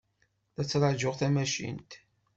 La ttṛajuɣ tamacint.